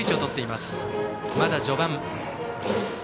まだ序盤。